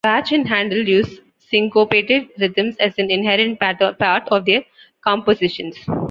Bach and Handel used syncopated rhythms as an inherent part of their compositions.